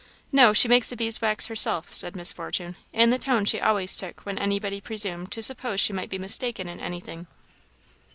"No; she makes the bees' wax herself," said Miss Fortune, in the tone she always took when anybody presumed to suppose she might be mistaken in anything.